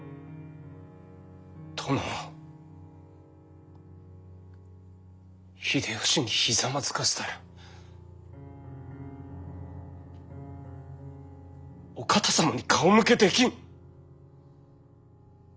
殿を秀吉にひざまずかせたらお方様に顔向けできん！